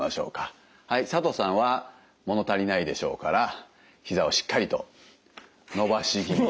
はい佐藤さんは物足りないでしょうからひざをしっかりと伸ばし気味で。